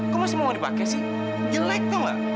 kok masih mau dipake sih jelek tuh enggak